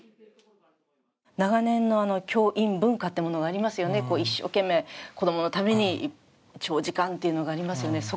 長年の教員文化というものがありますよね、一生懸命、子供のために長時間というのがありますよね。